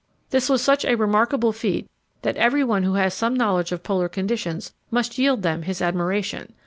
This was such a remarkable feat that everyone who has some knowledge of Polar conditions must yield them his admiration.